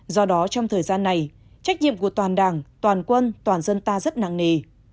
do đó trong thời gian này trách nhiệm của toàn đảng toàn quân toàn dân ta rất nặng nề